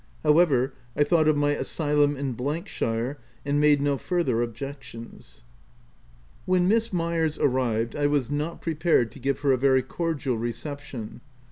However, I thought of my asvlum in shire, and made no further objections. OF W1LDFELL HALL. 101 When Miss Myers arrived, I was not pre pared to give her a very cordial reception.